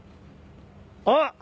あっ！